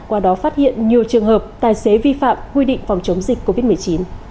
qua đó phát hiện nhiều trường hợp tài xế vi phạm quy định phòng chống dịch covid một mươi chín